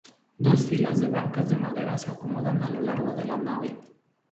Dos filas de bancas de madera se acomodan a lo largo de la nave.